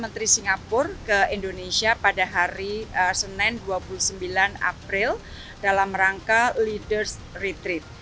menteri singapura ke indonesia pada hari senin dua puluh sembilan april dalam rangka leaders retreat